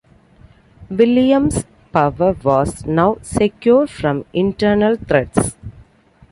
William's power was now secure from internal threats.